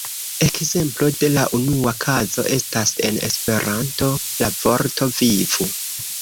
Ekzemplo de la unua kazo estas en Esperanto la vorto "vivu!